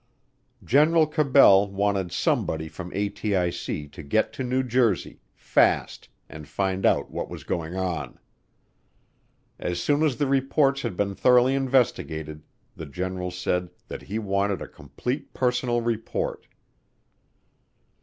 General Cabell wanted somebody from ATIC to get to New Jersey fast and find out what was going on. As soon as the reports had been thoroughly investigated, the general said that he wanted a complete personal report.